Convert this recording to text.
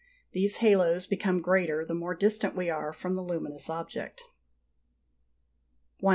These halos become greater the more distant we are from the luminous object. 100.